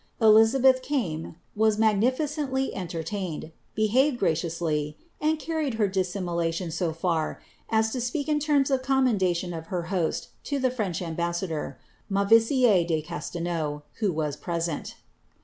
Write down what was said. Dizabelh came, was niagnilicenily entertained, behaved graciously, and carried her di> eimulalLon to far, as to soeak in terms of com men da lion of her hu«l lo the French ambassador. aiclnau, who was present.